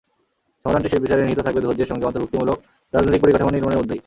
সমাধানটি শেষ বিচারে নিহিত থাকবে ধৈর্যের সঙ্গে অন্তর্ভুক্তিমূলক রাজনৈতিক পরিকাঠামো নির্মাণের মধ্যেই।